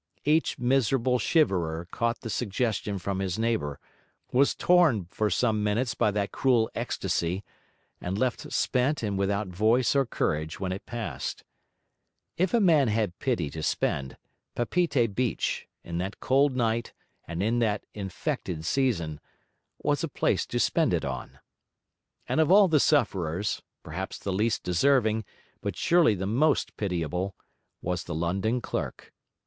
Each miserable shiverer caught the suggestion from his neighbour, was torn for some minutes by that cruel ecstasy, and left spent and without voice or courage when it passed. If a man had pity to spend, Papeete beach, in that cold night and in that infected season, was a place to spend it on. And of all the sufferers, perhaps the least deserving, but surely the most pitiable, was the London clerk.